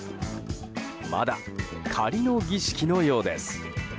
まだ、仮の儀式のようです。